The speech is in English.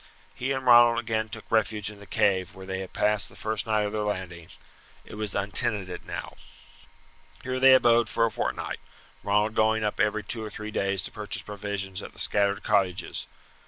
He and Ronald again took refuge in the cave where they had passed the first night of their landing. It was untenanted now. Here they abode for a fortnight, Ronald going up every two or three days to purchase provisions at the scattered cottages.